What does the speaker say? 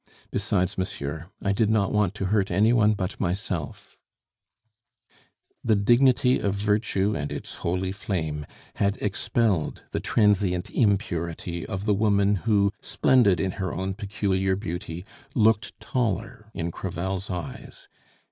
Besides, monsieur, I did not want to hurt any one but myself " The dignity of virtue and its holy flame had expelled the transient impurity of the woman who, splendid in her own peculiar beauty, looked taller in Crevel's eyes.